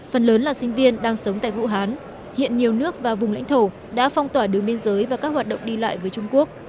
phần lớn là sinh viên đang sống tại vũ hán hiện nhiều nước và vùng lãnh thổ đã phong tỏa đường biên giới và các hoạt động đi lại với trung quốc